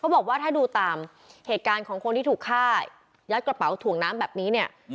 บอกว่าถ้าดูตามเหตุการณ์ของคนที่ถูกฆ่ายัดกระเป๋าถ่วงน้ำแบบนี้เนี่ย